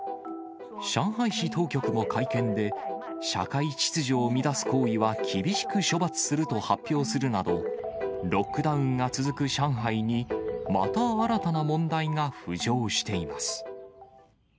上海市当局も会見で、社会秩序を乱す行為は厳しく処罰すると発表するなど、ロックダウンが続く上海に、また新たな問題が浮上しています。